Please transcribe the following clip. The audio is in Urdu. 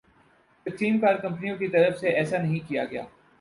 تقسیم کار کمپنیوں کی طرف سے ایسا نہیں کیا گیا